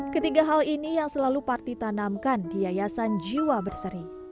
ketiga hal ini yang selalu parti tanamkan di yayasan jiwa berseri